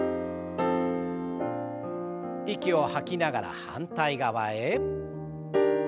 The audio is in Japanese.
息を吐きながら反対側へ。